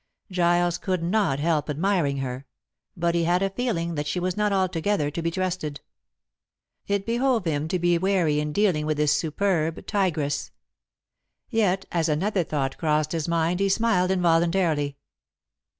Giles could not help admiring her, but he had a feeling that she was not altogether to be trusted. It behove him to be wary in dealing with this superb tigress. Yet, as another thought crossed his mind, he smiled involuntarily.